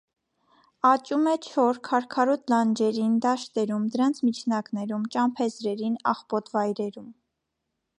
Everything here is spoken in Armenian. Աճում է չոր, քարքարոտ լանջերին, դաշտերում, դրանց միջնակներում, ճամփեզրերին, աղբոտ վայրերում։